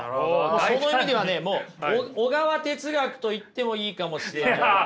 その意味ではねもう小川哲学と言ってもいいかもしれない。